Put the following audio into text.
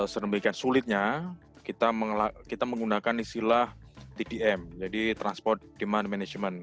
sedemikian sulitnya kita menggunakan istilah tdm jadi transport demand management